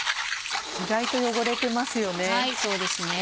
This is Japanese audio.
意外と汚れてますよね。